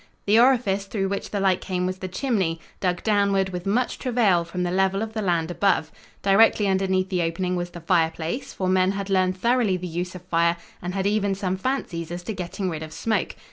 The orifice through which the light came was the chimney, dug downward with much travail from the level of the land above. Directly underneath the opening was the fireplace, for men had learned thoroughly the use of fire, and had even some fancies as to getting rid of smoke.